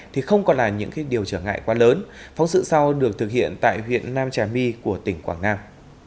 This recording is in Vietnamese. thì không còn là những điều trở ngại quá lớn phóng sự sau được thực hiện tại huyện nam trà my của tỉnh quảng nam